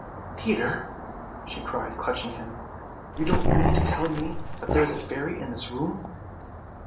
"Peter," she cried, clutching him, "you don't mean to tell me that there is a fairy in this room!"